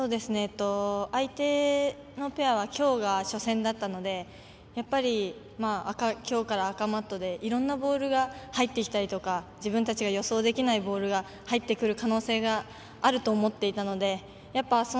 相手のペアは、きょうが初戦だったのでやっぱりきょうから赤マットでいろんなボールが入ってきたりとか自分たちが予想できないボールが入ってくる可能性があると思っていたのでやっぱり、